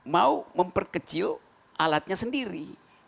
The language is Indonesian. mau memperkecil alatnya sendiri